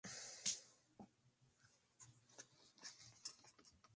Quedando únicamente tres familias autóctonas.